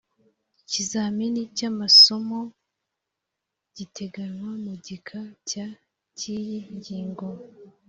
ikizamini cy amasomo giteganywa mu gika cya cy iyi ngingo